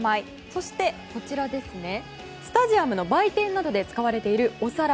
そして、スタジアムの売店などで使われているお皿。